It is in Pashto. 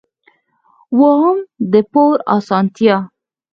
اووم: د پور اسانتیا.